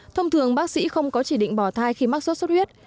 thông thường bác sĩ không có chỉ định bỏ thai khi mắc sốt xuất huyết